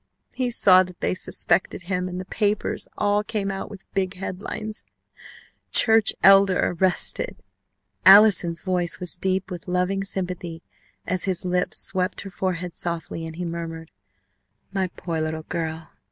He saw that they suspected him, and the papers all came out with big headlines, 'CHURCH ELDER ARRESTED.'" Allison's voice was deep with loving sympathy as his lips swept her forehead softly and he murmured, "My poor little girl!"